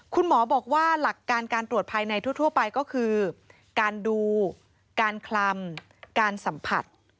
คุณหมอบอกว่าหลักการการตรวจภายในทั่วไปก็คือการดูการคลำการสัมผัส